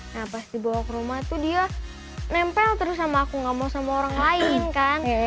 nah pas dibawa ke rumah tuh dia nempel terus sama aku gak mau sama orang lain kan